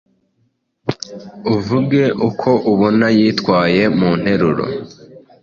uvuge uko ubona yitwaye mu nteruro: